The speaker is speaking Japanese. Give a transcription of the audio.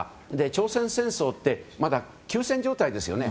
朝鮮戦争はまだ休戦状態ですよね。